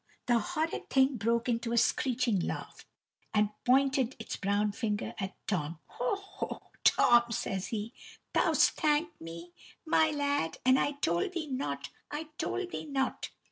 The horrid thing broke into a screeching laugh, and pointed its brown finger at Tom. "Ho, ho, Tom!" says he. "Thou 'st thanked me, my lad, and I told thee not, I told thee not!"